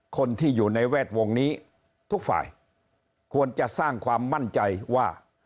คนที่อยู่ในแวดวงนี้ทุกฝ่ายควรจะสร้างความมั่นใจว่า